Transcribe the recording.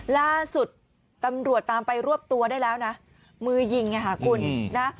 ล่าสุดตำรวจตามไปรวบตัวได้แล้วนะมือยิงอ่ะค่ะคุณนะ